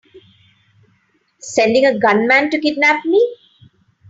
Sending a gunman to kidnap me!